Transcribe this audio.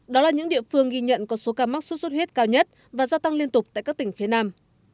đó là những địa phương ghi nhận có số ca mắc sốt xuất huyết cao nhất và gia tăng liên tục tại các tỉnh phía nam